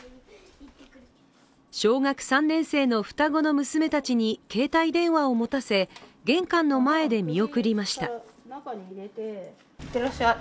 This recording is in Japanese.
小学３年生の双子の娘たちに携帯電話を持たせ、玄関の前で見送りました。